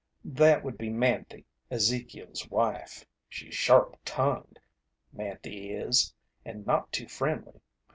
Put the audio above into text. "That would be Manthy, Ezekiel's wife. She's sharp tongued, Manthy is, and not too friendly.